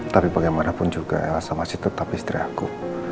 tapi bagaimanapun juga rasa masih tetap istri aku